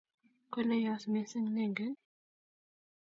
Ko ne yos missing nengen?